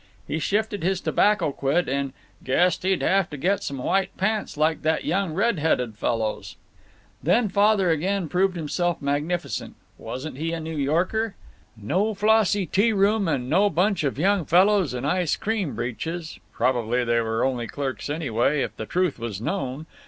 He shifted his tobacco quid and "guessed he'd have to get some white pants like that young red headed fellow's." Then Father again proved himself magnificent. Wasn't he a New Yorker? "No flossy tea room and no bunch of young fellows in ice cream breeches probably they were only clerks, anyway, if the truth was known!